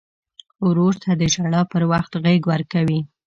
ورور ته د ژړا پر وخت غېږ ورکوي.